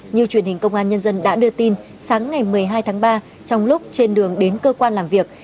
như truyền hình công an nhân dân đã đưa tin sáng ngày một mươi hai tháng ba trong lúc trên đường đến cơ quan làm việc